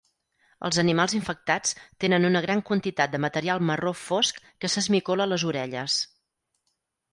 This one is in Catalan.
Els animals infectats tenen una gran quantitat de material marró fosc que s'esmicola a les orelles.